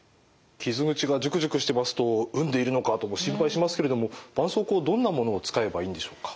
傷口がジュクジュクしてますと膿んでいるのかとも心配しますけれどもばんそうこうはどんなものを使えばいいんでしょうか？